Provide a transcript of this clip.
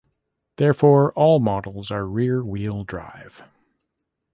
Therefore, all models are rear-wheel drive.